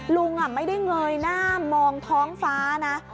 ลุงไม่ได้เงยหน้ามองท้องฟ้านะ